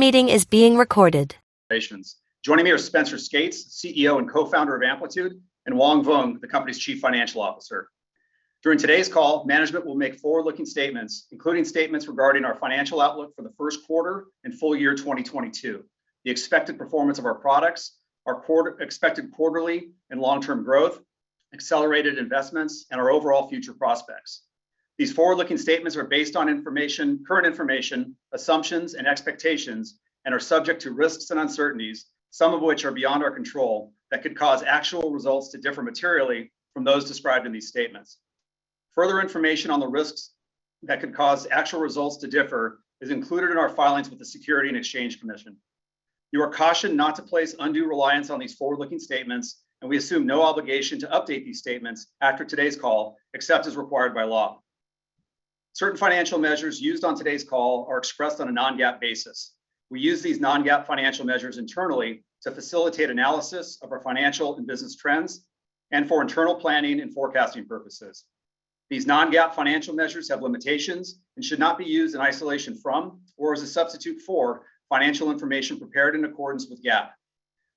Joining me are Spenser Skates, CEO and Co-Founder of Amplitude, and Hoang Vuong, the company's Chief Financial Officer. During today's call, management will make forward-looking statements, including statements regarding our financial outlook for the first quarter and full year 2022, the expected performance of our products, expected quarterly and long-term growth, accelerated investments, and our overall future prospects. These forward-looking statements are based on current information, assumptions, and expectations, and are subject to risks and uncertainties, some of which are beyond our control, that could cause actual results to differ materially from those described in these statements. Further information on the risks that could cause actual results to differ is included in our filings with the Securities and Exchange Commission. You are cautioned not to place undue reliance on these forward-looking statements, and we assume no obligation to update these statements after today's call, except as required by law. Certain financial measures used on today's call are expressed on a non-GAAP basis. We use these non-GAAP financial measures internally to facilitate analysis of our financial and business trends and for internal planning and forecasting purposes. These non-GAAP financial measures have limitations and should not be used in isolation from, or as a substitute for, financial information prepared in accordance with GAAP.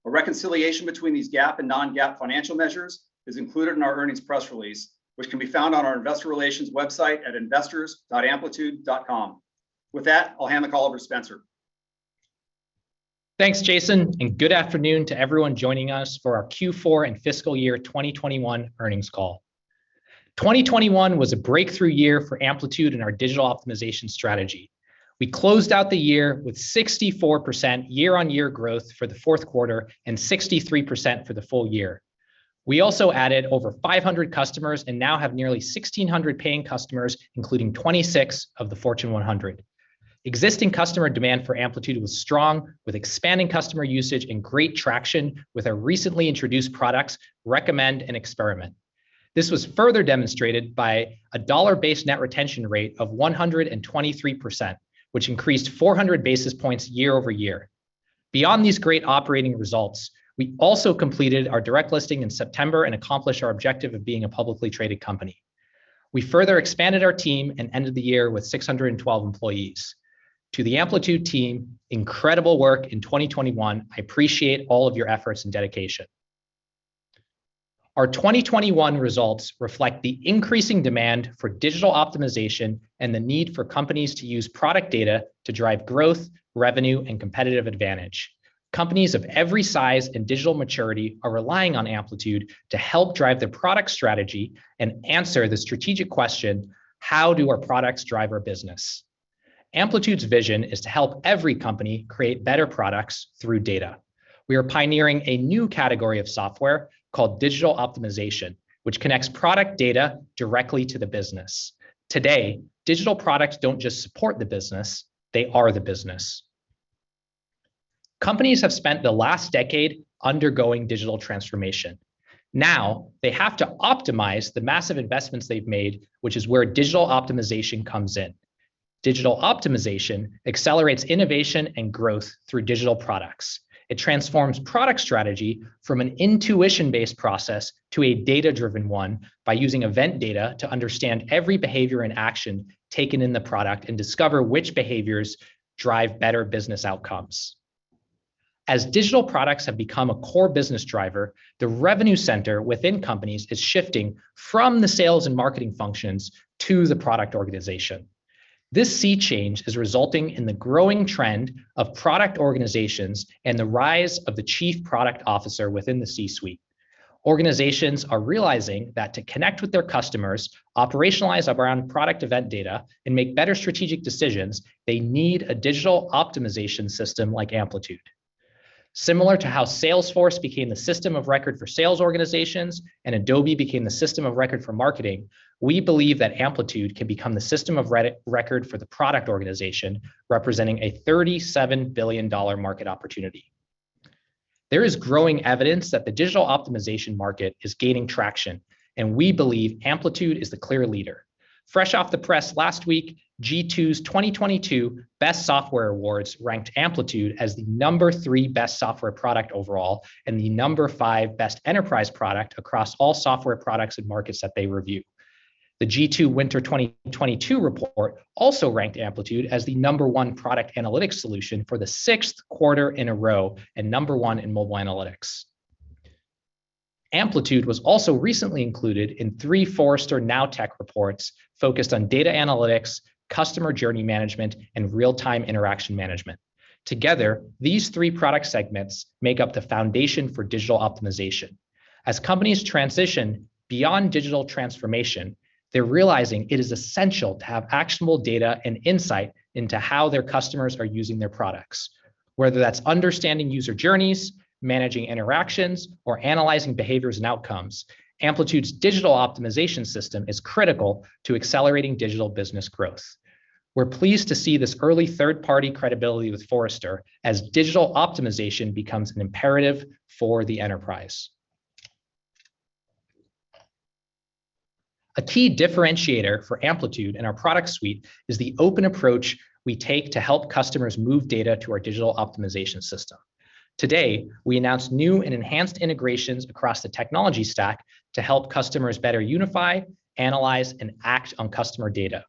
A reconciliation between these GAAP and non-GAAP financial measures is included in our earnings press release, which can be found on our Investor Relations website at investors.amplitude.com. With that, I'll hand the call over to Spenser. Thanks, Jason, and good afternoon to everyone joining us for our Q4 and fiscal year 2021 earnings call. 2021 was a breakthrough year for Amplitude in our Digital Optimization strategy. We closed out the year with 64% year-over-year growth for the fourth quarter and 63% for the full year. We also added over 500 customers and now have nearly 1,600 paying customers, including 26 of the Fortune 100. Existing customer demand for Amplitude was strong, with expanding customer usage and great traction with our recently introduced products, Recommend and Experiment. This was further demonstrated by a dollar-based net retention rate of 123%, which increased 400 basis points year-over-year. Beyond these great operating results, we also completed our direct listing in September and accomplished our objective of being a publicly traded company. We further expanded our team and ended the year with 612 employees. To the Amplitude team, incredible work in 2021. I appreciate all of your efforts and dedication. Our 2021 results reflect the increasing demand for Digital Optimization and the need for companies to use product data to drive growth, revenue, and competitive advantage. Companies of every size and digital maturity are relying on Amplitude to help drive their product strategy and answer the strategic question, how do our products drive our business? Amplitude's vision is to help every company create better products through data. We are pioneering a new category of software called Digital Optimization, which connects product data directly to the business. Today, digital products don't just support the business, they are the business. Companies have spent the last decade undergoing digital transformation. Now, they have to optimize the massive investments they've made, which is where Digital Optimization comes in. Digital Optimization accelerates innovation and growth through digital products. It transforms product strategy from an intuition-based process to a data-driven one by using event data to understand every behavior and action taken in the product and discover which behaviors drive better business outcomes. As digital products have become a core business driver, the revenue center within companies is shifting from the sales and marketing functions to the product organization. This sea change is resulting in the growing trend of product organizations and the rise of the chief product officer within the C-suite. Organizations are realizing that to connect with their customers, operationalize around product event data, and make better strategic decisions, they need a Digital Optimization system like Amplitude. Similar to how Salesforce became the system of record for sales organizations and Adobe became the system of record for marketing, we believe that Amplitude can become the system of record for the product organization, representing a $37 billion market opportunity. There is growing evidence that the Digital Optimization market is gaining traction, and we believe Amplitude is the clear leader. Fresh off the press last week, G2's 2022 Best Software Awards ranked Amplitude as the number three best software product overall and the number five best enterprise product across all software products and markets that they review. The G2 Winter 2022 report also ranked Amplitude as the number one product analytics solution for the sixth quarter in a row and number one in mobile analytics. Amplitude was also recently included in three Forrester Now Tech reports focused on data analytics, customer journey management, and real-time interaction management. Together, these three product segments make up the foundation for Digital Optimization. As companies transition beyond digital transformation, they're realizing it is essential to have actionable data and insight into how their customers are using their products. Whether that's understanding user journeys, managing interactions, or analyzing behaviors and outcomes, Amplitude's Digital Optimization system is critical to accelerating digital business growth. We're pleased to see this early third-party credibility with Forrester as Digital Optimization becomes an imperative for the enterprise. A key differentiator for Amplitude and our product suite is the open approach we take to help customers move data to our Digital Optimization system. Today, we announced new and enhanced integrations across the technology stack to help customers better unify, analyze, and act on customer data.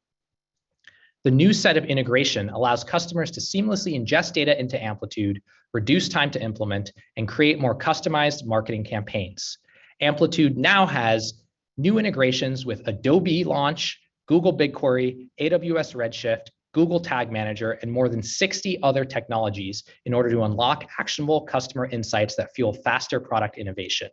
The new set of integrations allows customers to seamlessly ingest data into Amplitude to reduce time to implement and create more customized marketing campaigns. Amplitude now has new integrations with Adobe Launch, Google BigQuery, Amazon Redshift, Google Tag Manager, and more than 60 other technologies in order to unlock actionable customer insights that fuel faster product innovation.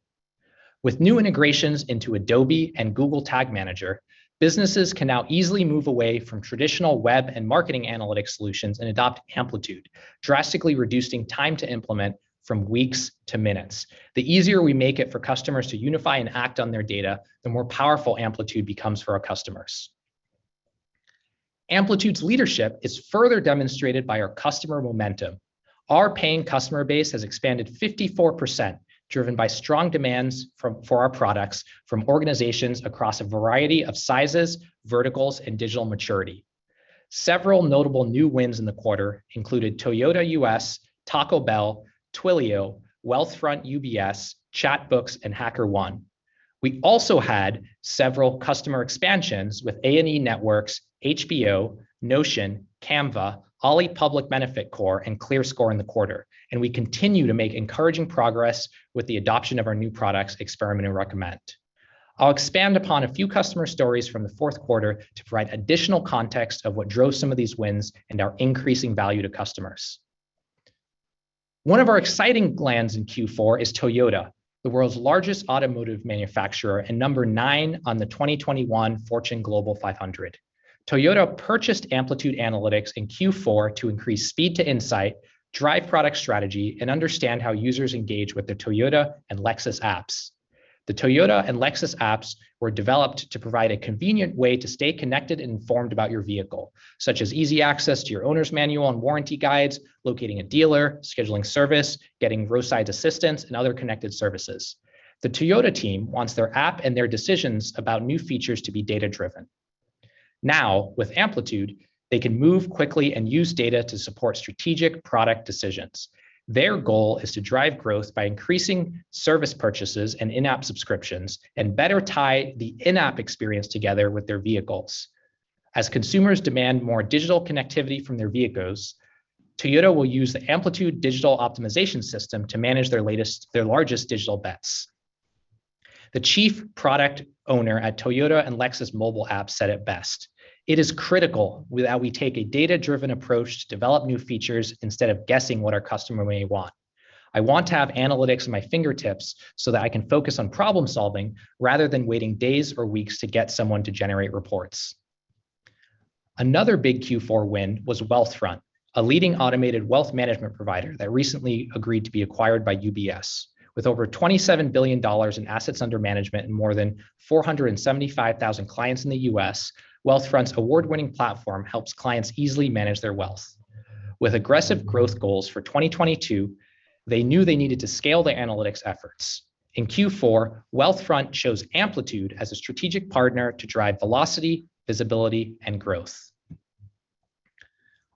With new integrations into Adobe and Google Tag Manager, businesses can now easily move away from traditional web and marketing analytics solutions and adopt Amplitude, drastically reducing time to implement from weeks to minutes. The easier we make it for customers to unify and act on their data, the more powerful Amplitude becomes for our customers. Amplitude's leadership is further demonstrated by our customer momentum. Our paying customer base has expanded 54%, driven by strong demand for our products from organizations across a variety of sizes, verticals, and digital maturity. Several notable new wins in the quarter included Toyota U.S., Taco Bell, Twilio, Wealthfront, UBS, Chatbooks, and HackerOne. We also had several customer expansions with A&E Networks, HBO, Notion, Canva, Ally Financial, and ClearScore in the quarter, and we continue to make encouraging progress with the adoption of our new products, Experiment and Recommend. I'll expand upon a few customer stories from the fourth quarter to provide additional context of what drove some of these wins and our increasing value to customers. One of our exciting wins in Q4 is Toyota, the world's largest automotive manufacturer and number one on the 2021 Fortune Global 500. Toyota purchased Amplitude Analytics in Q4 to increase speed to insight, drive product strategy, and understand how users engage with their Toyota and Lexus apps. The Toyota and Lexus apps were developed to provide a convenient way to stay connected and informed about your vehicle, such as easy access to your owner's manual and warranty guides, locating a dealer, scheduling service, getting roadside assistance, and other connected services. The Toyota team wants their app and their decisions about new features to be data-driven. Now, with Amplitude, they can move quickly and use data to support strategic product decisions. Their goal is to drive growth by increasing service purchases and in-app subscriptions and better tie the in-app experience together with their vehicles. As consumers demand more digital connectivity from their vehicles, Toyota will use the Amplitude Digital Optimization system to manage their latest, their largest digital bets. The chief product owner at Toyota and Lexus mobile app said it best, "It is critical that we take a data-driven approach to develop new features instead of guessing what our customer may want. I want to have analytics at my fingertips so that I can focus on problem-solving rather than waiting days or weeks to get someone to generate reports." Another big Q4 win was Wealthfront, a leading automated wealth management provider that recently agreed to be acquired by UBS. With over $27 billion in assets under management and more than 475,000 clients in the U.S., Wealthfront's award-winning platform helps clients easily manage their wealth. With aggressive growth goals for 2022, they knew they needed to scale their analytics efforts. In Q4, Wealthfront chose Amplitude as a strategic partner to drive velocity, visibility, and growth.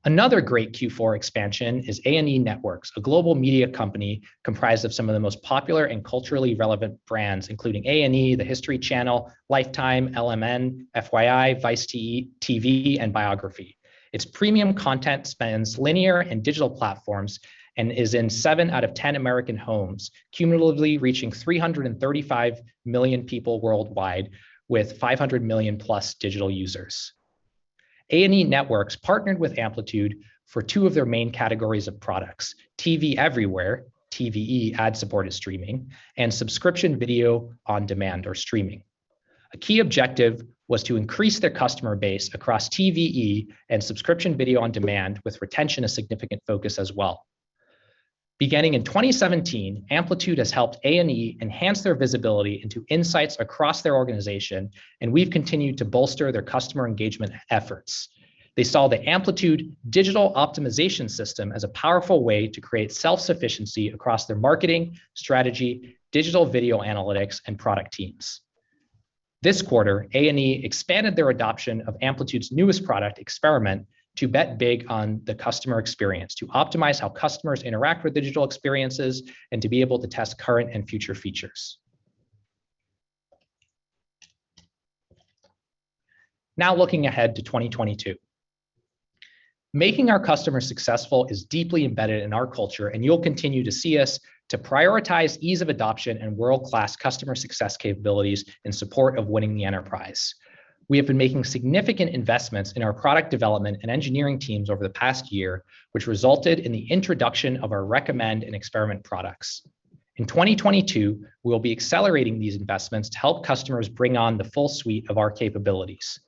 Another great Q4 expansion is A&E Networks, a global media company comprised of some of the most popular and culturally relevant brands, including A&E, the History Channel, Lifetime, LMN, FYI, Viceland, and Biography. Its premium content spans linear and digital platforms and is in seven out of ten American homes, cumulatively reaching 335 million people worldwide with 500+ million digital users. A&E Networks partnered with Amplitude for two of their main categories of products, TV Everywhere, TVE, ad-supported streaming, and subscription video on demand or streaming. A key objective was to increase their customer base across TVE and subscription video on demand with retention a significant focus as well. Beginning in 2017, Amplitude has helped A&E enhance their visibility into insights across their organization, and we've continued to bolster their customer engagement efforts. They saw the Amplitude Digital Optimization system as a powerful way to create self-sufficiency across their marketing, strategy, digital video analytics, and product teams. This quarter, A&E expanded their adoption of Amplitude's newest product, Experiment, to bet big on the customer experience, to optimize how customers interact with digital experiences, and to be able to test current and future features. Now looking ahead to 2022. Making our customers successful is deeply embedded in our culture, and you'll continue to see us continue to prioritize ease of adoption and world-class customer success capabilities in support of winning the enterprise. We have been making significant investments in our product development and engineering teams over the past year, which resulted in the introduction of our Recommend and Experiment products. In 2022, we will be accelerating these investments to help customers bring on the full suite of our capabilities.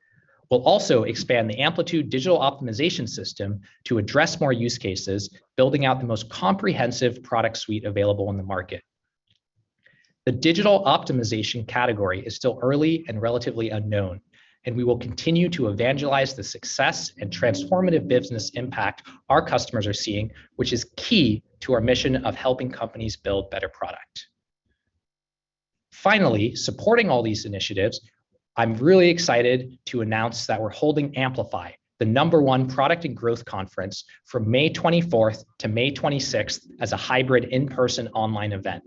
We'll also expand the Amplitude Digital Optimization system to address more use cases, building out the most comprehensive product suite available on the market. The Digital Optimization category is still early and relatively unknown, and we will continue to evangelize the success and transformative business impact our customers are seeing, which is key to our mission of helping companies build better product. Finally, supporting all these initiatives, I'm really excited to announce that we're holding Amplify, the number one product and growth conference from May 24th to May 26th as a hybrid in-person online event.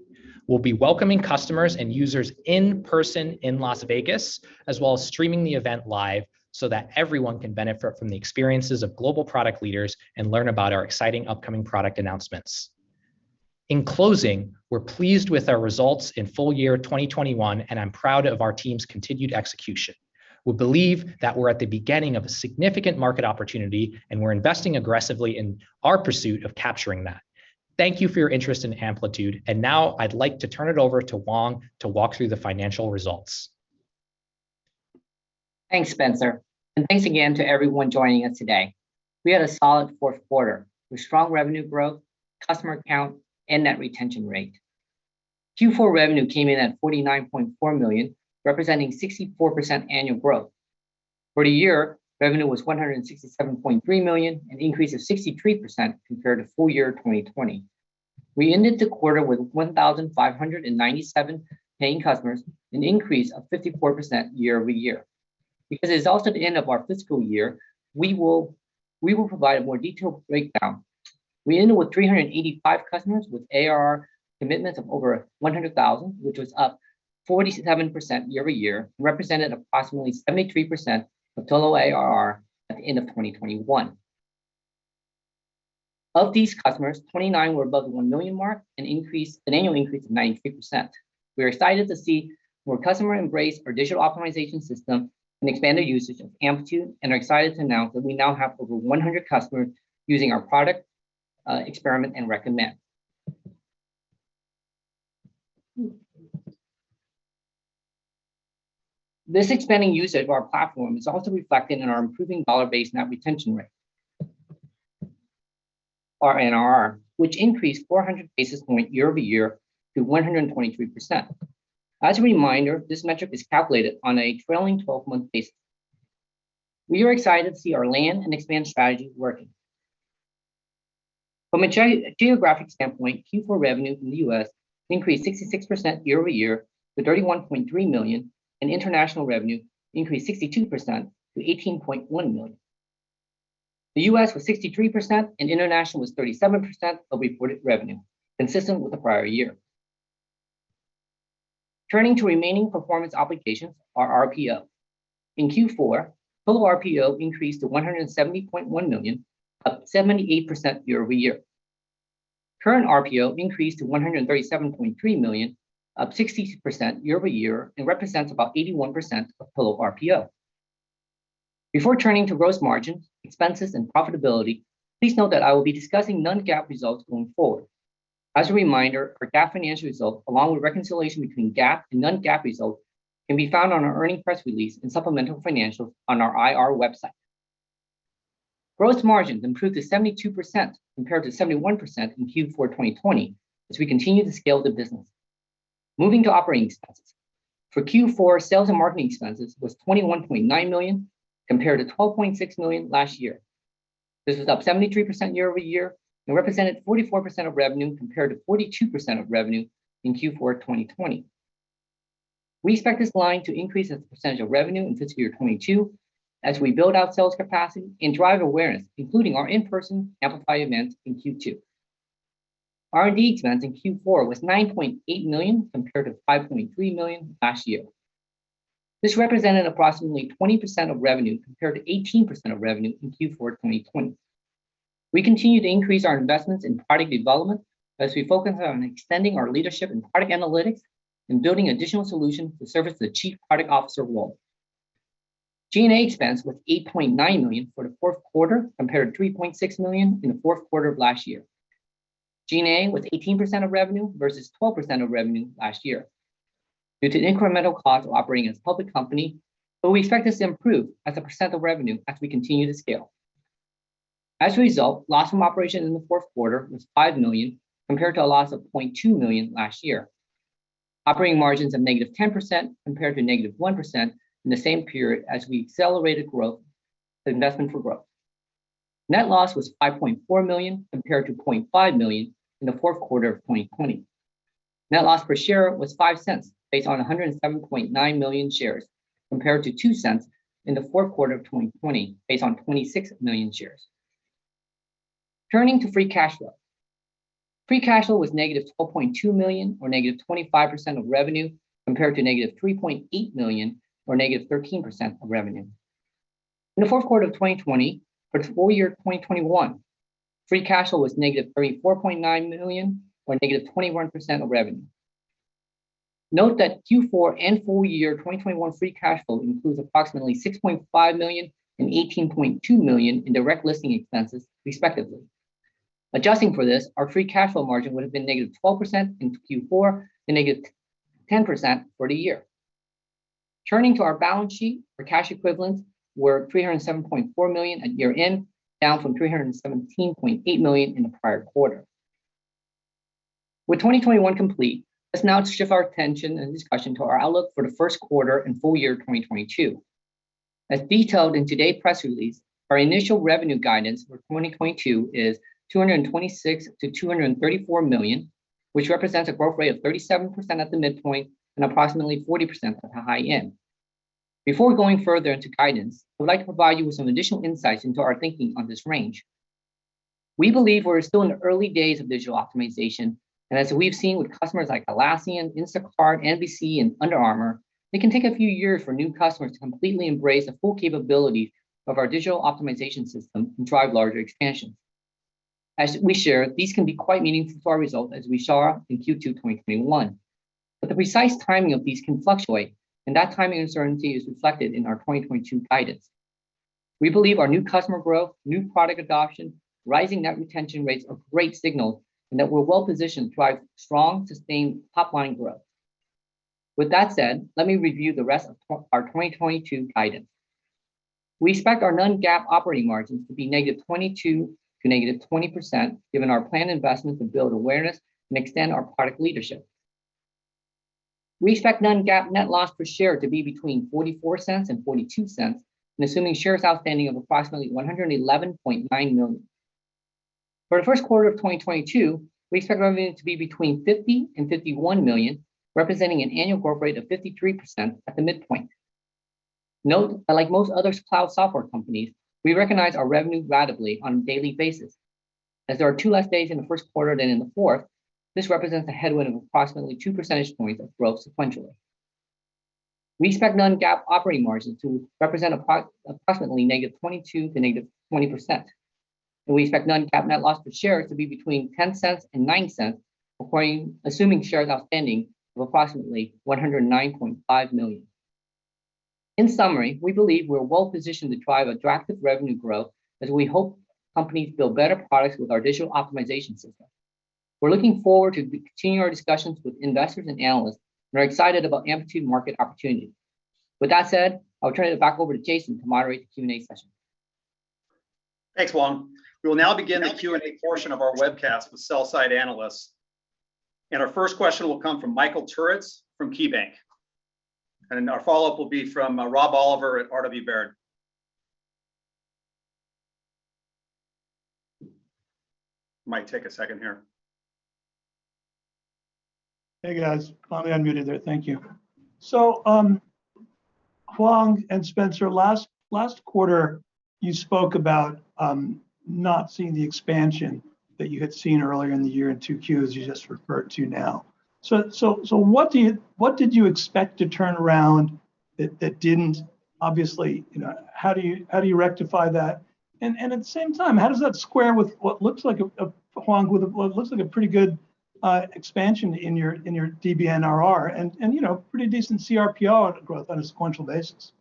We'll be welcoming customers and users in person in Las Vegas as well as streaming the event live so that everyone can benefit from the experiences of global product leaders and learn about our exciting upcoming product announcements. In closing, we're pleased with our results in full year 2021, and I'm proud of our team's continued execution. We believe that we're at the beginning of a significant market opportunity, and we're investing aggressively in our pursuit of capturing that. Thank you for your interest in Amplitude, and now I'd like to turn it over to Hoang Vuong to walk through the financial results. Thanks, Spenser, and thanks again to everyone joining us today. We had a solid fourth quarter with strong revenue growth, customer count, and net retention rate. Q4 revenue came in at $49.4 million, representing 64% annual growth. For the year, revenue was $167.3 million, an increase of 63% compared to full year 2020. We ended the quarter with 1,597 paying customers, an increase of 54% year-over-year. Because it's also the end of our fiscal year, we will provide a more detailed breakdown. We ended up with 385 customers with ARR commitments of over $100,000, which was up 47% year-over-year, represented approximately 73% of total ARR at the end of 2021. Of these customers, 29 were above the $1 million mark, an annual increase of 93%. We are excited to see more customers embrace our Digital Optimization system and expand their usage of Amplitude and are excited to announce that we now have over 100 customers using our product, Experiment and Recommend. This expanding usage of our platform is also reflected in our improving dollar-based net retention rate, NRR, which increased 400 basis points year-over-year to 123%. As a reminder, this metric is calculated on a trailing 12-month basis. We are excited to see our land and expand strategy working. From a geographic standpoint, Q4 revenue in the U.S. increased 66% year-over-year to $31.3 million and international revenue increased 62% to $18.1 million. The U.S. was 63% and international was 37% of reported revenue, consistent with the prior year. Turning to remaining performance obligations or RPO. In Q4, full RPO increased to $170.1 million, up 78% year-over-year. Current RPO increased to $137.3 million, up 60% year-over-year and represents about 81% of total RPO. Before turning to gross margins, expenses, and profitability, please note that I will be discussing non-GAAP results going forward. As a reminder, our GAAP financial results, along with reconciliation between GAAP and non-GAAP results, can be found on our earnings press release and supplemental financials on our IR website. Gross margins improved to 72% compared to 71% in Q4 2020 as we continue to scale the business. Moving to operating expenses. For Q4, sales and marketing expenses was $21.9 million compared to $12.6 million last year. This is up 73% year-over-year and represented 44% of revenue compared to 42% of revenue in Q4 2020. We expect this line to increase as a percentage of revenue in fiscal year 2022 as we build out sales capacity and drive awareness, including our in-person Amplify event in Q2. R&D expense in Q4 was $9.8 million compared to $5.3 million last year. This represented approximately 20% of revenue compared to 18% of revenue in Q4 2020. We continue to increase our investments in product development as we focus on extending our leadership in product analytics and building additional solutions to service the chief product officer role. G&A expense was $8.9 million for the fourth quarter compared to $3.6 million in the fourth quarter of last year. G&A was 18% of revenue versus 12% of revenue last year due to the incremental cost of operating as a public company, but we expect this to improve as a percent of revenue as we continue to scale. As a result, loss from operations in the fourth quarter was $5 million, compared to a loss of $0.2 million last year. Operating margins of -10% compared to -1% in the same period as we accelerated growth and investment for growth. Net loss was $5.4 million compared to $0.5 million in the fourth quarter of 2020. Net loss per share was $0.05 based on 107.9 million shares compared to $0.02 in the fourth quarter of 2020 based on 26 million shares. Turning to free cash flow. Free cash flow was -$12.2 million or -25% of revenue compared to -$3.8 million or -13% of revenue in the fourth quarter of 2020. For the full year 2021, free cash flow was -$34.9 million or -21% of revenue. Note that Q4 and full year 2021 free cash flow includes approximately $6.5 million and $18.2 million in direct listing expenses, respectively. Adjusting for this, our free cash flow margin would have been -12% in Q4 and -10% for the year. Turning to our balance sheet, our cash equivalents were $307.4 million at year-end, down from $317.8 million in the prior quarter. With 2021 complete, let's now shift our attention and discussion to our outlook for the first quarter and full year 2022. As detailed in today's press release, our initial revenue guidance for 2022 is $226 million-$234 million, which represents a growth rate of 37% at the midpoint and approximately 40% at the high end. Before going further into guidance, we'd like to provide you with some additional insights into our thinking on this range. We believe we're still in the early days of Digital Optimization, and as we've seen with customers like Atlassian, Instacart, NBC, and Under Armour, it can take a few years for new customers to completely embrace the full capabilities of our Digital Optimization system, which can drive larger expansions. As we share, these can be quite meaningful to our results as we saw in Q2 2021. The precise timing of these can fluctuate, and that timing uncertainty is reflected in our 2022 guidance. We believe our new customer growth, new product adoption, rising net retention rates are great signals and that we're well-positioned to drive strong, sustained top-line growth. With that said, let me review the rest of our 2022 guidance. We expect our non-GAAP operating margins to be -22% to -20%, given our planned investment to build awareness and extend our product leadership. We expect non-GAAP net loss per share to be between $0.44 and $0.42, assuming shares outstanding of approximately 111.9 million. For the first quarter of 2022, we expect revenue to be between $50 million-$51 million, representing an annual growth rate of 53% at the midpoint. Note that like most other cloud software companies, we recognize our revenue ratably on a daily basis. As there are two less days in the first quarter than in the fourth, this represents a headwind of approximately 2 percentage points of growth sequentially. We expect non-GAAP operating margins to represent approximately -22% to -20%, and we expect non-GAAP net loss per share to be between $0.10 and $0.09 assuming shares outstanding of approximately 109.5 million. In summary, we believe we're well-positioned to drive attractive revenue growth as we help companies build better products with our Digital Optimization system. We're looking forward to continue our discussions with investors and analysts. We're excited about Amplitude market opportunity. With that said, I'll turn it back over to Jason to moderate the Q&A session. Thanks, Hoang. We will now begin the Q&A portion of our webcast with sell-side analysts. Our first question will come from Michael Turits from KeyBanc. Our follow-up will be from Rob Oliver at R.W. Baird. Might take a second here. Hey, guys. Finally unmuted there. Thank you. Hoang and Spenser, last quarter, you spoke about not seeing the expansion that you had seen earlier in the year in 2Qs you just referred to now. What did you expect to turn around that that didn't obviously, you know, how do you rectify that? And at the same time, how does that square with what looks like a, Hoang Vuong, with a what looks like a pretty good expansion in your DBNRR, and you know, pretty decent CRPO growth on a sequential basis?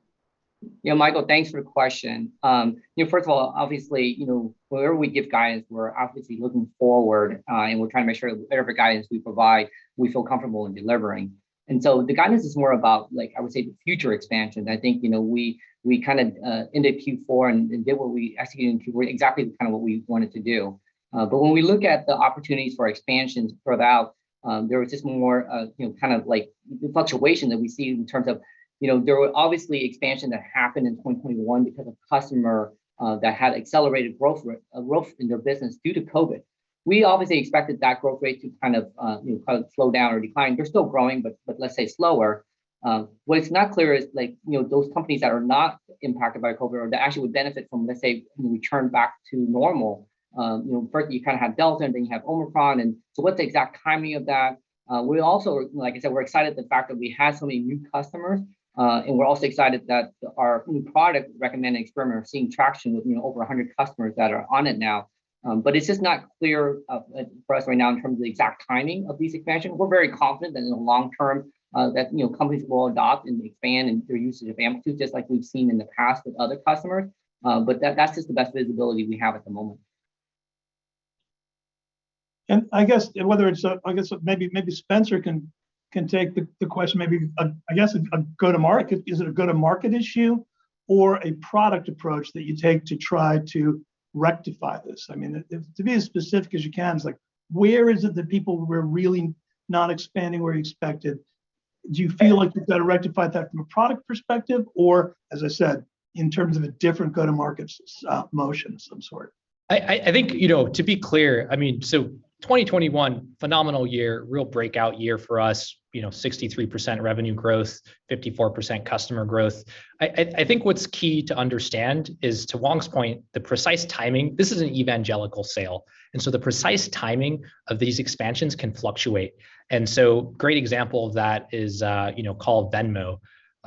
Yeah, Michael, thanks for the question. You know, first of all, obviously, you know, whenever we give guidance, we're obviously looking forward, and we're trying to make sure that whatever guidance we provide, we feel comfortable in delivering. The guidance is more about like, I would say, the future expansions. I think, you know, we kind of ended Q4 and executed in Q4 exactly kind of what we wanted to do. When we look at the opportunities for expansions throughout, there was just more, you know, kind of like fluctuation that we see in terms of, you know, there were obviously expansions that happened in 2021 because of customers that had accelerated growth in their business due to COVID. We obviously expected that growth rate to kind of, you know, slow down or decline. They're still growing, but let's say slower. What's not clear is like, you know, those companies that are not impacted by COVID or that actually would benefit from, let's say, when we return back to normal, you know, first you kind of have Delta, and then you have Omicron, and so what's the exact timing of that? We also are, like I said, we're excited at the fact that we have so many new customers, and we're also excited that our new product, Recommend Experiment, are seeing traction with, you know, over 100 customers that are on it now. It's just not clear for us right now in terms of the exact timing of these expansions. We're very confident that in the long term, you know, companies will adopt and expand in their usage of Amplitude, just like we've seen in the past with other customers. But that's just the best visibility we have at the moment. I guess whether it's, I guess maybe Spenser can take the question maybe. I guess a go-to-market, is it a go-to-market issue or a product approach that you take to try to rectify this? I mean, to be as specific as you can, it's like, where is it that people were really not expanding where you expected? Do you feel like you've got to rectify that from a product perspective, or as I said, in terms of a different go-to-market motion of some sort? I think, you know, to be clear, I mean, 2021, phenomenal year, real breakout year for us. You know, 63% revenue growth, 54% customer growth. I think what's key to understand is, to Hoang's point, the precise timing. This is an evangelical sale, and so the precise timing of these expansions can fluctuate. Great example of that is called Venmo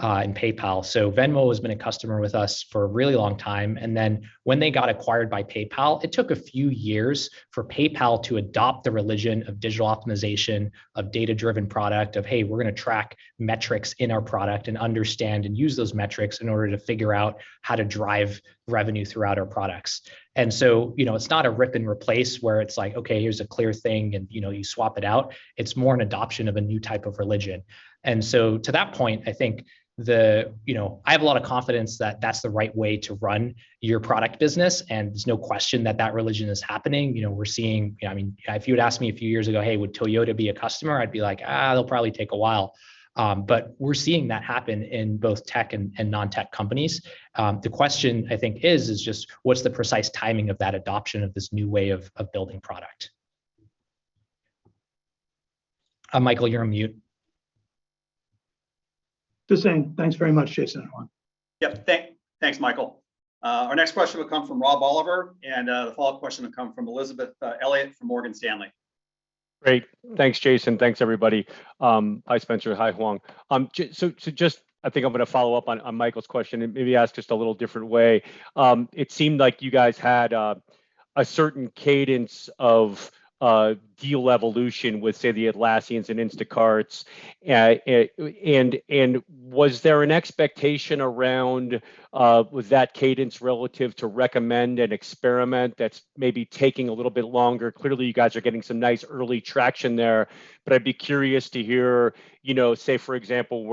and PayPal. Venmo has been a customer with us for a really long time, and then when they got acquired by PayPal, it took a few years for PayPal to adopt the religion of Digital Optimization, of data-driven product, of hey, we're gonna track metrics in our product and understand and use those metrics in order to figure out how to drive revenue throughout our products. You know, it's not a rip and replace where it's like, okay, here's a clear thing and, you know, you swap it out. It's more an adoption of a new type of religion. To that point, I think you know, I have a lot of confidence that that's the right way to run your product business, and there's no question that that religion is happening. You know, we're seeing, you know, I mean, if you had asked me a few years ago, "Hey, would Toyota be a customer?" I'd be like, "They'll probably take a while." But we're seeing that happen in both tech and non-tech companies. The question I think is just what's the precise timing of that adoption of this new way of building product? Michael, you're on mute. Just saying thanks very much, Jason and Hoang Vuong. Yep. Thanks, Michael. Our next question will come from Rob Oliver, and the follow-up question will come from Elizabeth Elliott from Morgan Stanley. Great. Thanks, Jason. Thanks, everybody. Hi, Spenser. Hi, Hoang. I think I'm gonna follow up on Michael's question, and maybe ask just a little different way. It seemed like you guys had a certain cadence of a deal evolution with, say, the Atlassian and Instacart. Was there an expectation around with that cadence relative to Recommend and Experiment that's maybe taking a little bit longer? Clearly, you guys are getting some nice early traction there, but I'd be curious to hear, you know, say, for example,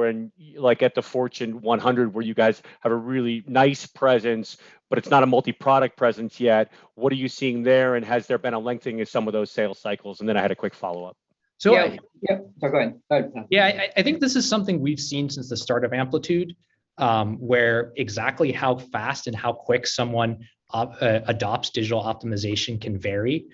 like at the Fortune 100 where you guys have a really nice presence, but it's not a multi-product presence yet, what are you seeing there, and has there been a lengthening of some of those sales cycles? Then I had a quick follow-up. So- Yeah. Yep. No, go ahead. Oh, yeah. Yeah. I think this is something we've seen since the start of Amplitude, where exactly how fast and how quick someone adopts Digital Optimization can vary.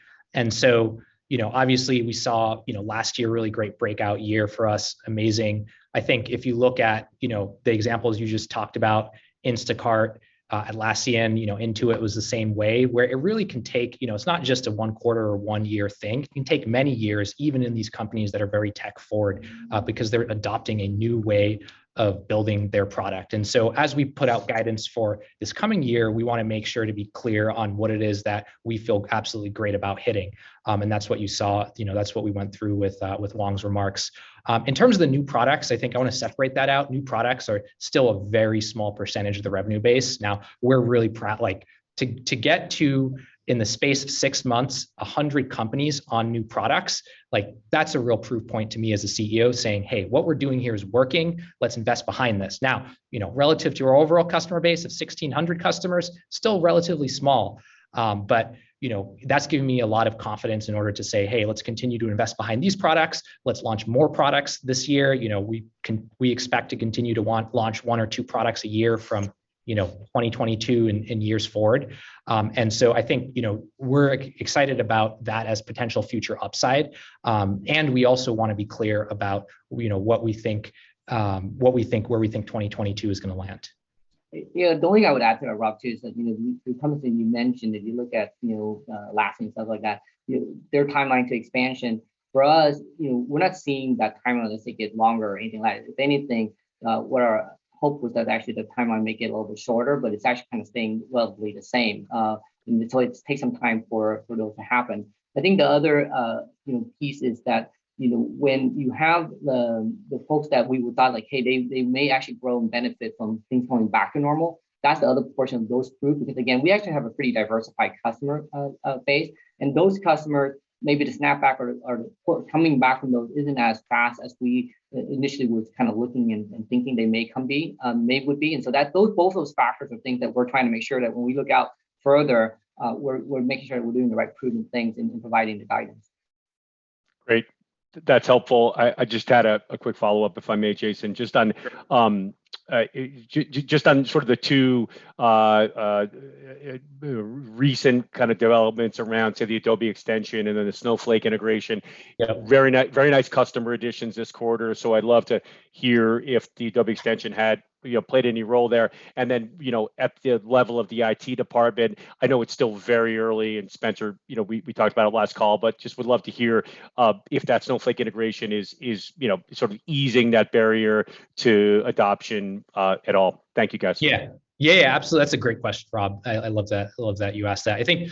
You know, obviously we saw, you know, last year, really great breakout year for us. Amazing. I think if you look at, you know, the examples you just talked about, Instacart, Atlassian, you know, Intuit was the same way, where it really can take. You know, it's not just a one quarter or one year thing. It can take many years even in these companies that are very tech forward, because they're adopting a new way of building their product. As we put out guidance for this coming year, we wanna make sure to be clear on what it is that we feel absolutely great about hitting. That's what you saw. You know, that's what we went through with Hoang's remarks. In terms of the new products, I think I wanna separate that out. New products are still a very small percentage of the revenue base. Now we're really proud. Like, to get to, in the space of six months, 100 companies on new products, like, that's a real proof point to me as a CEO saying, "Hey, what we're doing here is working. Let's invest behind this." Now, you know, relative to our overall customer base of 1,600 customers, still relatively small. But, you know, that's given me a lot of confidence in order to say, "Hey, let's continue to invest behind these products. Let's launch more products this year." You know, we expect to continue to want to launch one or two products a year from, you know, 2022 in years forward. I think, you know, we're excited about that as potential future upside. We also wanna be clear about, you know, what we think, where we think 2022 is gonna land. Yeah. The only thing I would add to that, Rob, too, is that, you know, the comments that you mentioned, if you look at, you know, Atlassian and stuff like that, their timeline to expansion for us, you know, we're not seeing that timeline necessarily get longer or anything like that. If anything, what our hope was that actually the timeline may get a little bit shorter, but it's actually kind of staying relatively the same. It takes some time for those to happen. I think the other, you know, piece is that, you know, when you have the folks that we would thought like, "Hey, they may actually grow and benefit from things going back to normal," that's the other portion of those cohorts, because, again, we actually have a pretty diversified customer base, and those customers, maybe the snapback or coming back from those isn't as fast as we initially was kind of looking and thinking they would be. Both those factors are things that we're trying to make sure that when we look out further, we're making sure that we're doing the right prudent things in providing the guidance. Great. That's helpful. I just had a quick follow-up, if I may, Jason, just on sort of the two recent kind of developments around the Adobe extension and then the Snowflake integration. Yeah. Very nice customer additions this quarter, so I'd love to hear if the Adobe extension had, you know, played any role there. Then, you know, at the level of the IT department, I know it's still very early, and Spenser, you know, we talked about it last call, but just would love to hear if that Snowflake integration is, you know, sort of easing that barrier to adoption at all. Thank you, guys. Yeah. Yeah, absolutely. That's a great question, Rob. I love that. I love that you asked that. I think.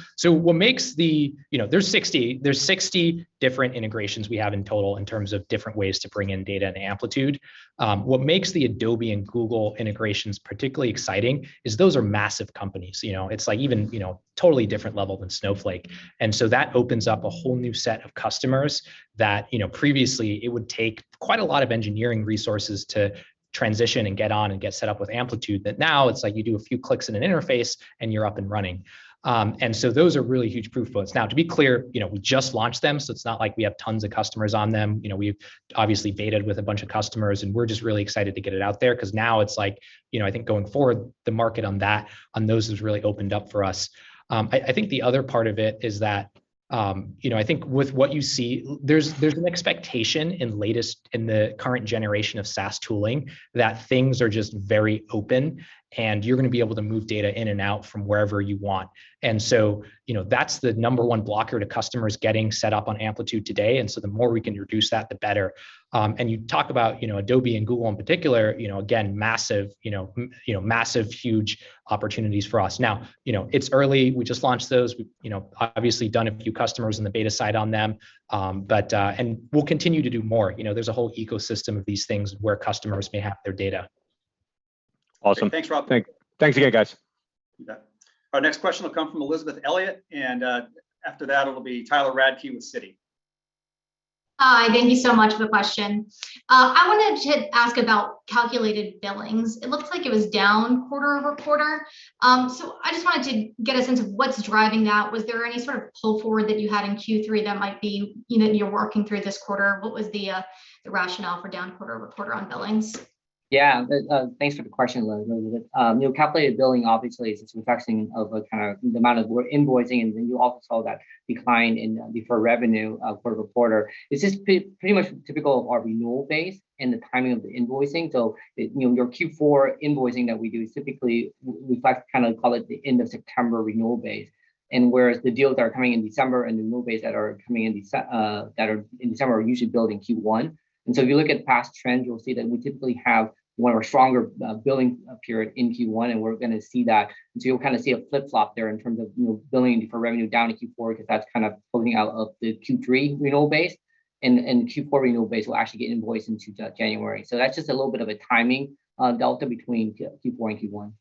You know, there's 60 different integrations we have in total in terms of different ways to bring in data into Amplitude. What makes the Adobe and Google integrations particularly exciting is those are massive companies. You know? It's like even, you know, totally different level than Snowflake. That opens up a whole new set of customers that, you know, previously it would take quite a lot of engineering resources to transition and get on and get set up with Amplitude. But now it's like you do a few clicks in an interface, and you're up and running. Those are really huge proof points. Now, to be clear, you know, we just launched them, so it's not like we have tons of customers on them. You know, we've obviously beta'd with a bunch of customers, and we're just really excited to get it out there because now it's like, you know, I think going forward, the market on that, on those has really opened up for us. I think the other part of it is that, you know, I think with what you see, there's an expectation in the current generation of SaaS tooling that things are just very open and you're gonna be able to move data in and out from wherever you want. You know, that's the number one blocker to customers getting set up on Amplitude today. The more we can reduce that, the better. You talk about, you know, Adobe and Google in particular, you know, again, massive, huge opportunities for us. Now, you know, it's early. We just launched those. We've, you know, obviously done a few customers in the beta side on them, but and we'll continue to do more. You know, there's a whole ecosystem of these things where customers may have their data. Awesome. Thanks, Rob. Thanks again, guys. You bet. Our next question will come from Elizabeth Elliott, and, after that it'll be Tyler Radke with Citi. Hi. Thank you so much for the question. I wanted to ask about calculated billings. It looks like it was down quarter-over-quarter. I just wanted to get a sense of what's driving that. Was there any sort of pull forward that you had in Q3 that might be, you know, you're working through this quarter? What was the rationale for down quarter-over-quarter on billings? Yeah. Thanks for the question, Elizabeth. You know, calculated billing obviously. It's a reflection of kind of the amount we're invoicing and then you also saw that decline in deferred revenue quarter-over-quarter. This is pretty much typical of our renewal base and the timing of the invoicing. It, you know, your Q4 invoicing that we do is typically we like kind of call it the end of September renewal base. Whereas the deals that are coming in December and new move base that are in December are usually billed in Q1. If you look at past trends, you'll see that we typically have one of our stronger billing period in Q1, and we're gonna see that. You'll kind of see a flip-flop there in terms of, you know, billing for revenue down in Q4, 'cause that's kind of pulling out of the Q3 renewal base. The Q4 renewal base will actually get invoiced into January. That's just a little bit of a timing delta between Q4 and Q1.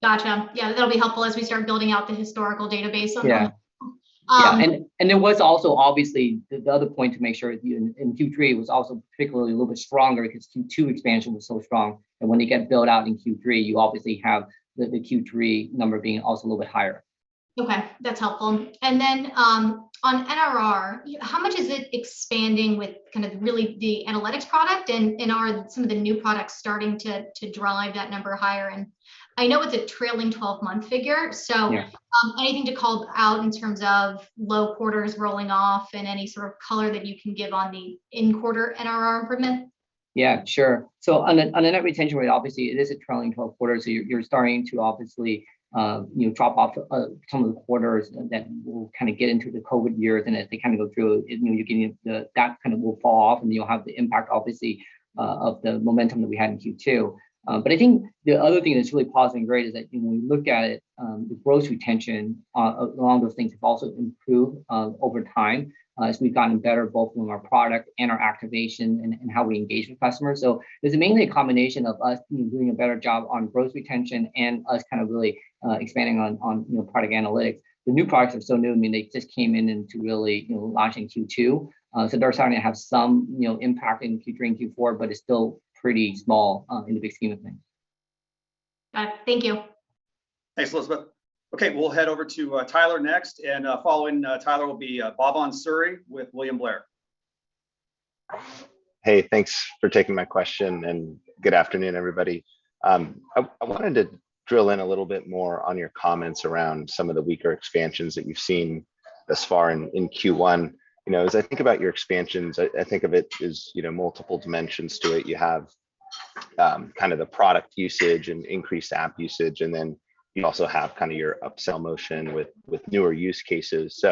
Gotcha. Yeah, that'll be helpful as we start building out the historical database on that. Yeah. Um- Yeah. There was also, obviously, the other point to make sure, you know, in Q3 was also particularly a little bit stronger because Q2 expansion was so strong. When you get billed out in Q3, you obviously have the Q3 number being also a little bit higher. Okay, that's helpful. On NRR, you know, how much is it expanding with kind of really the analytics product and are some of the new products starting to drive that number higher? I know it's a trailing 12-month figure, so, Yeah Anything to call out in terms of low quarters rolling off and any sort of color that you can give on the in-quarter NRR improvement? Yeah, sure. On a net retention rate, obviously it is a trailing 12 quarters, so you're starting to obviously you know drop off some of the quarters that will kind of get into the COVID years. As they kind of go through, you know that kind of will fall off, and you'll have the impact obviously of the momentum that we had in Q2. I think the other thing that's really positive and great is that when you look at it, the gross retention along those things have also improved over time as we've gotten better both from our product and our activation and how we engage with customers. It's mainly a combination of us, you know, doing a better job on gross retention and us kind of really expanding on, you know, product analytics. The new products are still new. I mean, they just came into really, you know, launching Q2. They're starting to have some, you know, impact in Q3 and Q4, but it's still pretty small in the big scheme of things. Got it. Thank you. Thanks, Elizabeth. Okay, we'll head over to Tyler next. Following Tyler will be Bhavan Suri with William Blair. Hey, thanks for taking my question, and good afternoon, everybody. I wanted to drill in a little bit more on your comments around some of the weaker expansions that you've seen thus far in Q1. You know, as I think about your expansions, I think of it as, you know, multiple dimensions to it. You have kind of the product usage and increased app usage, and then you also have kind of your upsell motion with newer use cases.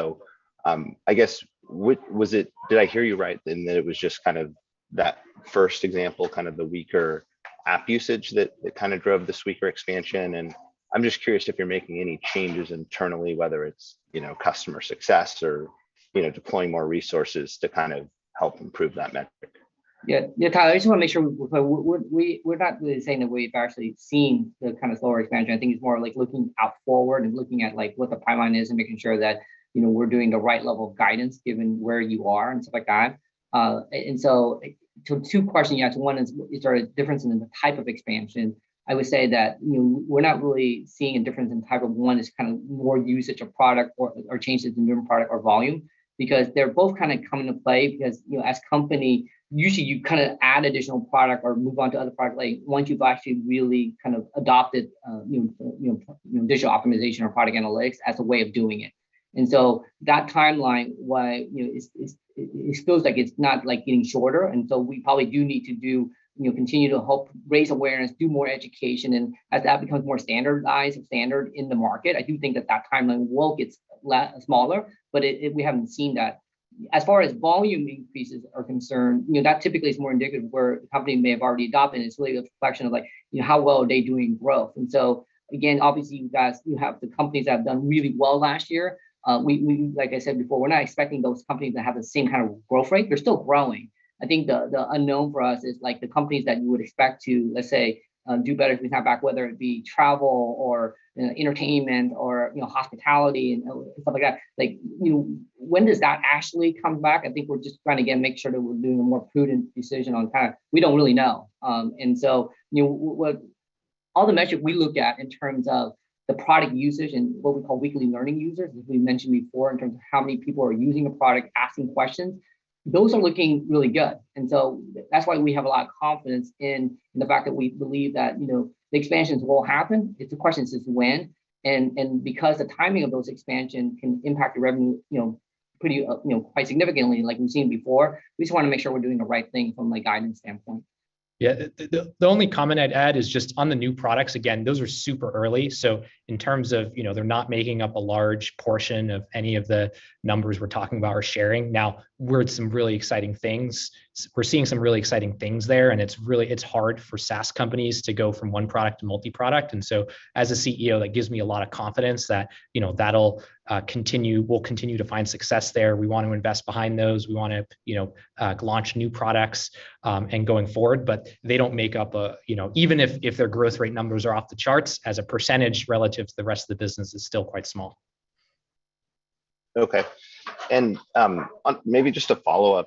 I guess, did I hear you right in that it was just kind of that first example, kind of the weaker app usage that kind of drove this weaker expansion? I'm just curious if you're making any changes internally, whether it's, you know, customer success or, you know, deploying more resources to kind of help improve that metric. Yeah. Yeah, Tyler, I just wanna make sure we're clear. We're not really saying that we've actually seen the kind of slower expansion. I think it's more of like looking out forward and looking at like what the pipeline is and making sure that, you know, we're doing the right level of guidance given where you are and stuff like that. Two parts of your question you asked. One is, there a difference in the type of expansion? I would say that, you know, we're not really seeing a difference in type of, one, is kind of more usage of product or changes in different product or volume. They're both kind of come into play, because, you know, as a company, usually you kind of add additional product or move on to other product, like, once you've actually really kind of adopted, you know, Digital Optimization or product analytics as a way of doing it. That timeline, you know, is it feels like it's not, like, getting shorter. We probably do need to do, you know, continue to help raise awareness, do more education, and as that becomes more standardized and standard in the market, I do think that that timeline will get smaller, but it, we haven't seen that. As far as volume increases are concerned, you know, that typically is more indicative of where the company may have already adopted, and it's really a reflection of, like, you know, how well are they doing growth. Again, obviously, you guys, you have the companies that have done really well last year. We, like I said before, we're not expecting those companies to have the same kind of growth rate. They're still growing. I think the unknown for us is, like, the companies that you would expect to, let's say, do better as we come back, whether it be travel or, you know, entertainment or, you know, hospitality and stuff like that. Like, you know, when does that actually come back? I think we're just trying to, again, make sure that we're doing a more prudent decision on that. We don't really know. All the metrics we look at in terms of the product usage and what we call Weekly Learning Users, as we mentioned before, in terms of how many people are using a product, asking questions, those are looking really good. That's why we have a lot of confidence in the fact that we believe that, you know, the expansions will happen. The question is when. And because the timing of those expansions can impact the revenue, you know, pretty, you know, quite significantly like we've seen before, we just wanna make sure we're doing the right thing from a guidance standpoint. Yeah. The only comment I'd add is just on the new products, again, those are super early. In terms of, you know, they're not making up a large portion of any of the numbers we're talking about or sharing. Now, we're seeing some really exciting things there, and it's really hard for SaaS companies to go from one product to multi-product. As a CEO, that gives me a lot of confidence that, you know, that'll continue. We'll continue to find success there. We want to invest behind those. We wanna, you know, launch new products and going forward. They don't make up a, you know, even if their growth rate numbers are off the charts, as a percentage relative to the rest of the business is still quite small. Okay. Maybe just a follow-up.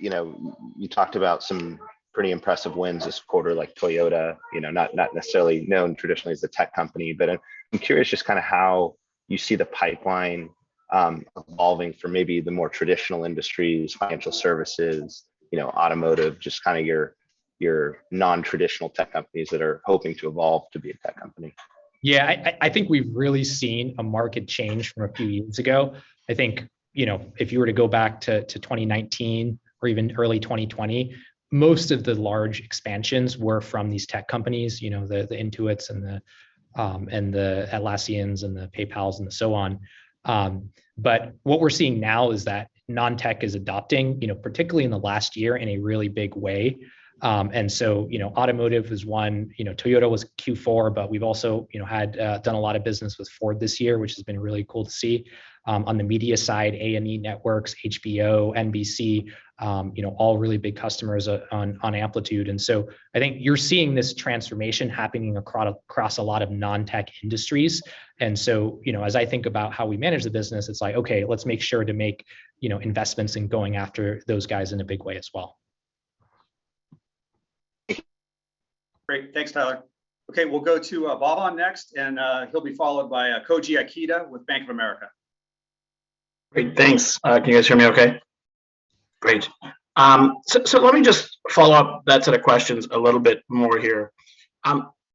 You know, you talked about some pretty impressive wins this quarter, like Toyota, you know, not necessarily known traditionally as a tech company. I'm curious just kind of how you see the pipeline evolving for maybe the more traditional industries, financial services, you know, automotive, just kind of your, your non-traditional tech companies that are hoping to evolve to be a tech company. Yeah, I think we've really seen a market change from a few years ago. I think, you know, if you were to go back to 2019 or even early 2020, most of the large expansions were from these tech companies, you know, the Intuit and the Atlassian and the PayPal and so on. What we're seeing now is that non-tech is adopting, you know, particularly in the last year in a really big way. Automotive is one. You know, Toyota was Q4, but we've also, you know, had done a lot of business with Ford this year, which has been really cool to see. On the media side, A&E Networks, HBO, NBC, you know, all really big customers on Amplitude. I think you're seeing this transformation happening across a lot of non-tech industries. You know, as I think about how we manage the business, it's like, okay, let's make sure to make, you know, investments in going after those guys in a big way as well. Great. Thanks, Tyler. Okay, we'll go to Bhavan next, and he'll be followed by Koji Ikeda with Bank of America. Great. Thanks. Can you guys hear me okay? Great. So let me just follow up that set of questions a little bit more here.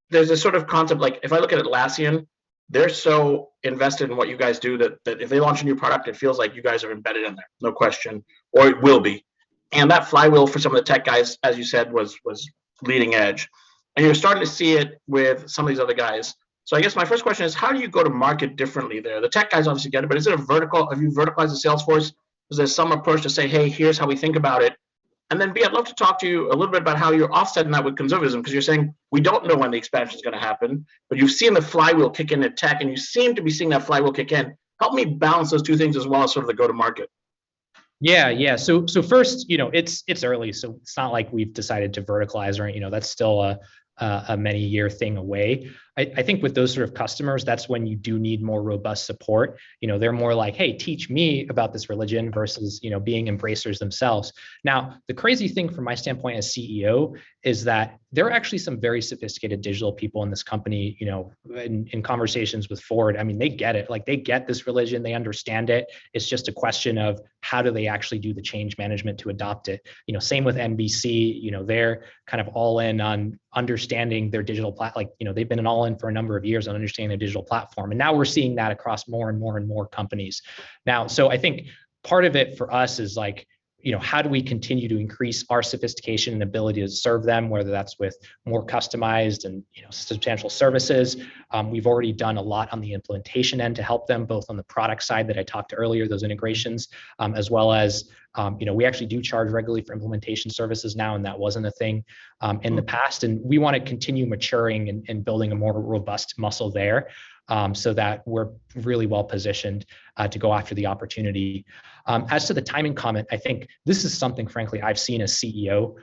There's a sort of concept, like if I look at Atlassian, they're so invested in what you guys do that if they launch a new product, it feels like you guys are embedded in there, no question. Or it will be. That flywheel for some of the tech guys, as you said, was leading edge. You're starting to see it with some of these other guys. I guess my first question is, how do you go to market differently there? The tech guys obviously get it, but is it a vertical? Have you verticalized the sales force? Is there some approach to say, "Hey, here's how we think about it"? B, I'd love to talk to you a little bit about how you're offsetting that with conservatism, because you're saying, "We don't know when the expansion is gonna happen," but you've seen the flywheel kick in at tech and you seem to be seeing that flywheel kick in. Help me balance those two things as well as sort of the go-to-market. Yeah. First, you know, it's early, so it's not like we've decided to verticalize or, you know, that's still a many-year thing away. I think with those sort of customers, that's when you do need more robust support. You know, they're more like, "Hey, teach me about this religion," versus, you know, being embracers themselves. Now, the crazy thing from my standpoint as CEO is that there are actually some very sophisticated digital people in this company, you know. In conversations with Ford, I mean, they get it. Like, they get this religion. They understand it. It's just a question of how do they actually do the change management to adopt it. You know, same with NBC. You know, they're kind of all in on understanding their digital platform. Like, you know, they've been all in for a number of years on understanding their digital platform, and now we're seeing that across more and more and more companies now. I think part of it for us is, like, you know, how do we continue to increase our sophistication and ability to serve them, whether that's with more customized and, you know, substantial services? We've already done a lot on the implementation end to help them, both on the product side that I talked earlier, those integrations, as well as, you know, we actually do charge regularly for implementation services now, and that wasn't a thing in the past. We wanna continue maturing and building a more robust muscle there, so that we're really well positioned to go after the opportunity. As to the timing comment, I think this is something frankly I've seen as CEO,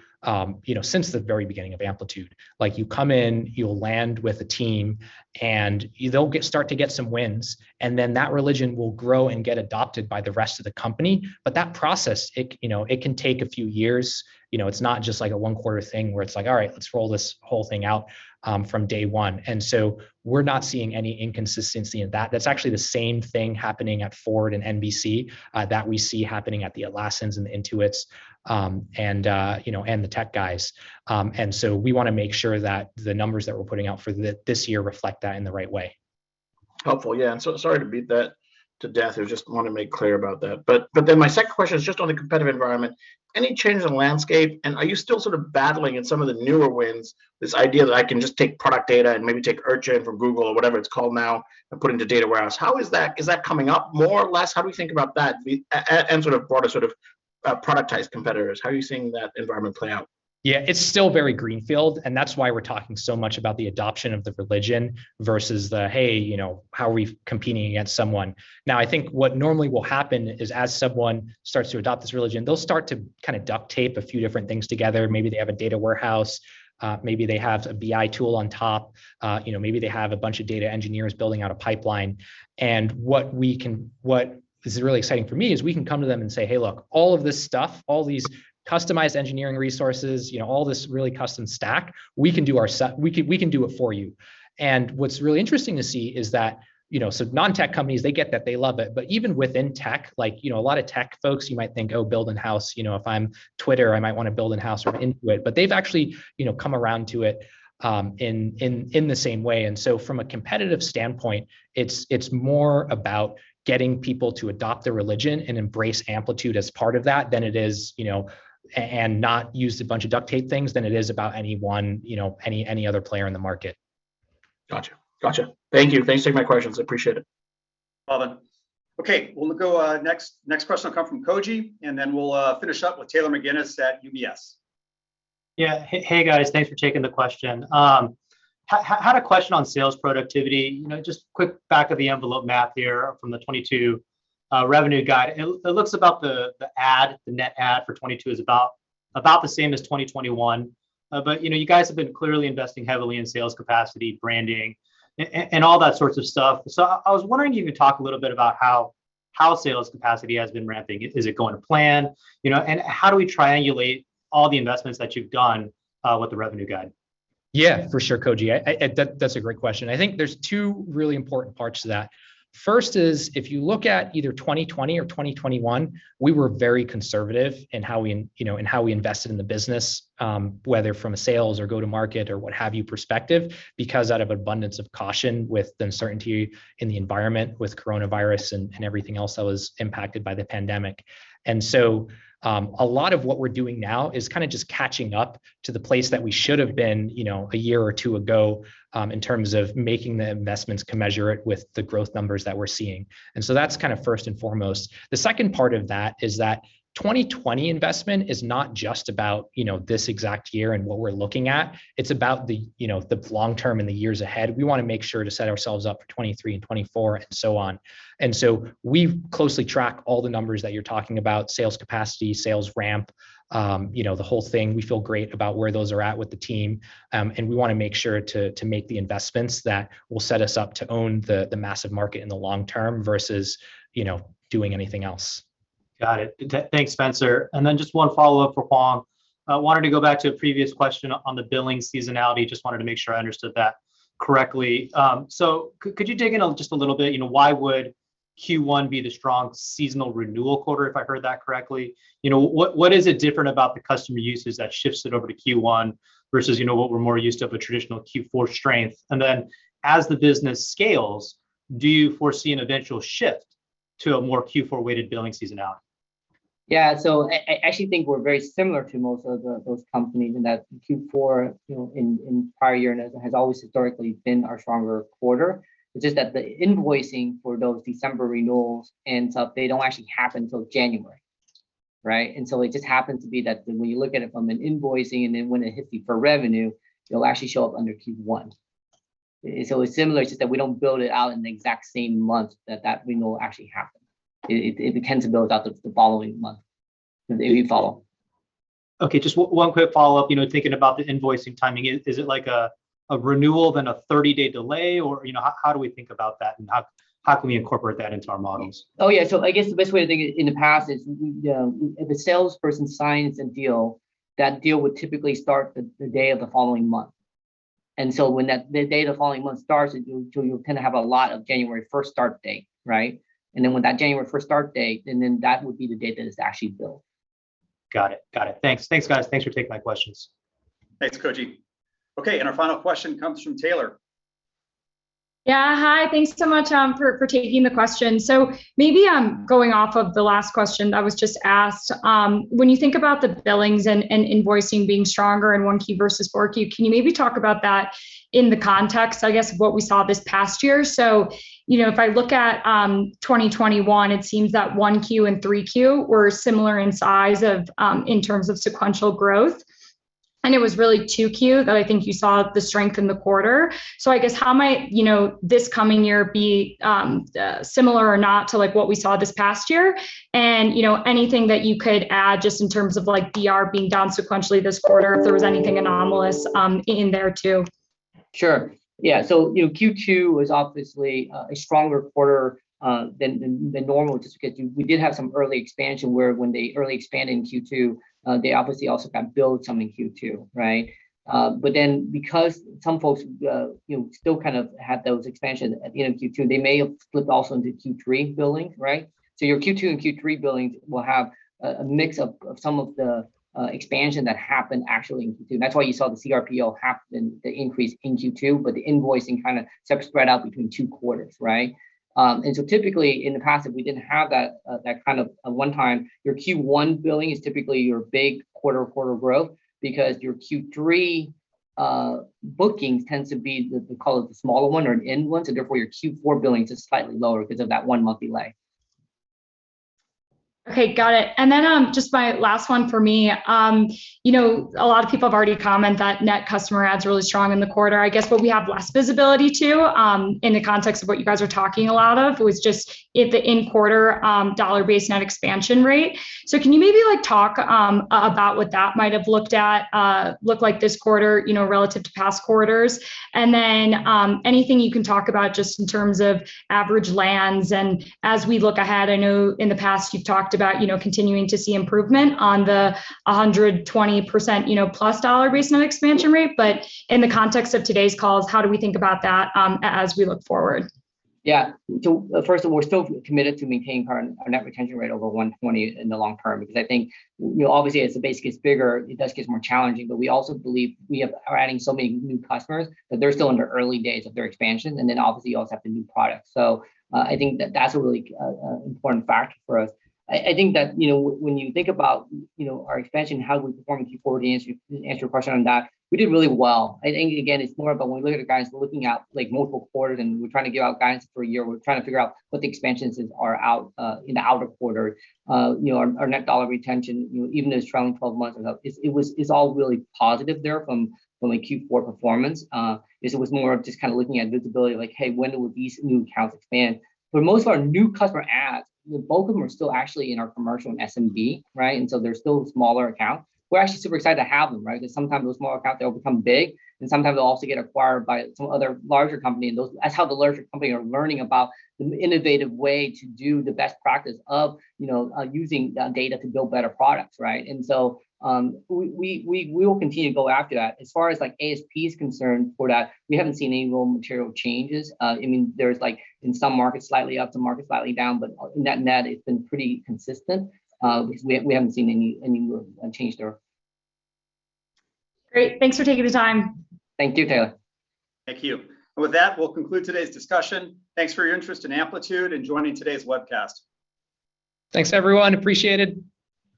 you know, since the very beginning of Amplitude. Like, you come in, you'll land with a team, and they'll start to get some wins, and then that religion will grow and get adopted by the rest of the company. But that process, you know, it can take a few years. You know, it's not just like a one-quarter thing where it's like, all right, let's roll this whole thing out, from day one. We're not seeing any inconsistency in that. That's actually the same thing happening at Ford and NBC, that we see happening at the Atlassian and the Intuit, you know, and the tech guys. We wanna make sure that the numbers that we're putting out for this year reflect that in the right way. Helpful. Yeah. Sorry to beat that to death. I just wanna make clear about that. But then my second question is just on the competitive environment. Any change in landscape, and are you still sort of battling in some of the newer wins, this idea that I can just take product data and maybe take Urchin from Google or whatever it's called now and put it into data warehouse? How is that? Is that coming up more or less? How do we think about that, and sort of broader sort of, productized competitors? How are you seeing that environment play out? Yeah. It's still very greenfield, and that's why we're talking so much about the adoption of the religion versus the, "Hey, you know, how are we competing against someone?" Now I think what normally will happen is as someone starts to adopt this religion, they'll start to kinda duct tape a few different things together. Maybe they have a data warehouse. Maybe they have a BI tool on top. You know, maybe they have a bunch of data engineers building out a pipeline. What we can, what is really exciting for me is we can come to them and say, "Hey, look, all of this stuff, all these customized engineering resources, you know, all this really custom stack, we can do it for you." What's really interesting to see is that, you know, so non-tech companies, they get that, they love it. Even within tech, like, you know, a lot of tech folks, you might think, oh, build in-house. You know, if I'm Twitter, I might wanna build in-house or Intuit. They've actually, you know, come around to it in the same way. From a competitive standpoint, it's more about getting people to adopt the religion and embrace Amplitude as part of that than it is, you know, and not use a bunch of duct tape things than it is about any one, you know, any other player in the market. Gotcha. Thank you. Thanks for taking my questions. I appreciate it. Bhavan. Okay, we'll go. Next question will come from Koji, and then we'll finish up with Taylor McGinnis at UBS. Yeah. Hey, guys. Thanks for taking the question. Had a question on sales productivity. You know, just quick back of the envelope math here from the 2022 revenue guide. It looks about the net add for 2022 is about the same as 2021. You know, you guys have been clearly investing heavily in sales capacity, branding, and all that sorts of stuff. I was wondering if you could talk a little bit about how sales capacity has been ramping. Is it going to plan? You know, and how do we triangulate all the investments that you've done with the revenue guide? Yeah, for sure, Koji. I think that's a great question. I think there's two really important parts to that. First is if you look at either 2020 or 2021, we were very conservative in how we invested in the business, you know, whether from a sales or go-to-market or what have you perspective, because out of abundance of caution with the uncertainty in the environment with coronavirus and everything else that was impacted by the pandemic. A lot of what we're doing now is kinda just catching up to the place that we should have been, you know, a year or two ago, in terms of making the investments commensurate with the growth numbers that we're seeing. That's kind of first and foremost. The second part of that is that 2020 investment is not just about, you know, this exact year and what we're looking at. It's about the, you know, the long term and the years ahead. We wanna make sure to set ourselves up for 2023 and 2024 and so on. We closely track all the numbers that you're talking about, sales capacity, sales ramp, you know, the whole thing. We feel great about where those are at with the team. We wanna make sure to make the investments that will set us up to own the massive market in the long term versus, you know, doing anything else. Got it. Thanks, Spenser. Just one follow-up for Hoang. I wanted to go back to a previous question on the billing seasonality. Just wanted to make sure I understood that correctly. Could you dig in just a little bit, you know, why would Q1 be the strong seasonal renewal quarter, if I heard that correctly? You know, what is it different about the customer uses that shifts it over to Q1 versus, you know, what we're more used to of a traditional Q4 strength? As the business scales, do you foresee an eventual shift to a more Q4-weighted billing seasonality? Yeah. I actually think we're very similar to most of those companies in that Q4, you know, in prior years has always historically been our stronger quarter. It's just that the invoicing for those December renewals ends up they don't actually happen till January, right? It just happens to be that when you look at it from an invoicing and then when it hits you for revenue, it'll actually show up under Q1. It's similar. It's just that we don't bill it out in the exact same month that renewal will actually happen. It tends to bill out the following month with every follow. Okay, just one quick follow-up, you know, thinking about the invoicing timing. Is it like a renewal then a 30-day delay, or, you know, how do we think about that and how can we incorporate that into our models? Oh, yeah. I guess the best way to think in the past is we, you know, if a salesperson signs a deal, that deal would typically start the day of the following month. When the day of the following month starts, you'll kind of have a lot of January first start date, right? With that January first start date, that would be the date that it's actually billed. Got it. Thanks, guys. Thanks for taking my questions. Thanks, Koji. Okay, and our final question comes from Taylor. Yeah. Hi. Thanks so much for taking the question. Maybe going off of the last question that was just asked, when you think about the billings and invoicing being stronger in 1Q versus 4Q, can you maybe talk about that in the context, I guess, of what we saw this past year? You know, if I look at 2021, it seems that 1Q and 3Q were similar in size of in terms of sequential growth, and it was really 2Q that I think you saw the strength in the quarter. I guess how might this coming year be similar or not to, like, what we saw this past year? You know, anything that you could add just in terms of, like, DR being down sequentially this quarter, if there was anything anomalous in there too? Sure, yeah. You know, Q2 was obviously a stronger quarter than normal just because we did have some early expansion where when they early expand in Q2, they obviously also kind of billed some in Q2, right? Because some folks you know still kind of had those expansion at the end of Q2, they may have flipped also into Q3 billing, right? Your Q2 and Q3 billings will have a mix of some of the expansion that happened actually in Q2. That's why you saw the CRPO, the increase in Q2, but the invoicing kind of sort of spread out between two quarters, right? Typically in the past, if we didn't have that kind of a one time, your Q1 billing is typically your big quarter growth because your Q3 bookings tend to be the, we call it the smaller one or an end one, so therefore your Q4 billing is slightly lower 'cause of that one monthly lag. Okay. Got it. Just my last one for me, you know, a lot of people have already commented that net customer adds are really strong in the quarter. I guess what we have less visibility to, in the context of what you guys are talking a lot about was just the in-quarter dollar-based net expansion rate. Can you maybe like talk about what that might have looked like this quarter, you know, relative to past quarters? Anything you can talk about just in terms of average land size and as we look ahead, I know in the past you've talked about, you know, continuing to see improvement on the 120%, you know, plus dollar-based net expansion rate. In the context of today's calls, how do we think about that, as we look forward? Yeah. First of all, we're still committed to maintaining our net retention rate over 120% in the long term because I think, you know, obviously as the base gets bigger, it does get more challenging. But we also believe we are adding so many new customers that they're still in the early days of their expansion and then obviously you also have the new products. I think that that's a really important factor for us. I think that, you know, when you think about, you know, our expansion, how we perform in Q4, to answer your question on that, we did really well. I think again, it's more about when we look at the guys looking at like multiple quarters and we're trying to give out guidance for a year. We're trying to figure out what the expansions are out in the Q4. You know, our net dollar retention, you know, even as trailing 12 months and up, it's all really positive there, from a Q4 performance. It was more of just kinda looking at visibility like, "Hey, when will these new accounts expand?" But most of our new customer adds, both of them are still actually in our commercial SMB, right? They're still smaller accounts. We're actually super excited to have them, right? Because sometimes those small accounts, they'll become big and sometimes they'll also get acquired by some other larger company and those. That's how the larger company are learning about the innovative way to do the best practice of, you know, using data to build better products, right? We will continue to go after that. As far as like ASP is concerned for that, we haven't seen any real material changes. I mean, there's like in some markets slightly up, some markets slightly down, but net it's been pretty consistent, because we haven't seen any change there. Great. Thanks for taking the time. Thank you, Taylor. Thank you. With that, we'll conclude today's discussion. Thanks for your interest in Amplitude and joining today's webcast. Thanks everyone. Appreciate it.